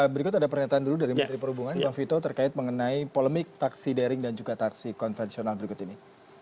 berikut ada pernyataan dulu dari menteri perhubungan bang vito terkait mengenai polemik taksi daring dan juga taksi konvensional berikut ini